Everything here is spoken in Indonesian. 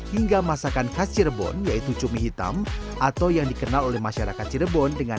hingga masakan khas cirebon yaitu cumi hitam atau yang dikenal oleh masyarakat cirebon dengan